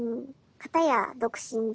片や独身で。